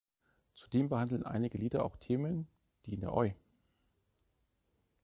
Zudem behandeln einige Lieder auch Themen, die in der Oi!